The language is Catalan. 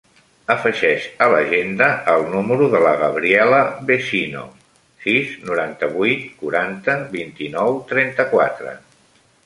Afegeix a l'agenda el número de la Gabriela Vecino: sis, noranta-vuit, quaranta, vint-i-nou, trenta-quatre.